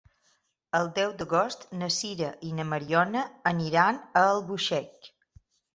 El deu d'agost na Sira i na Mariona aniran a Albuixec.